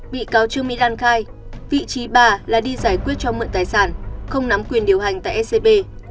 bị cáo trương mỹ lan khai vị trí bà là đi giải quyết cho mượn tài sản không nắm quyền điều hành tại scb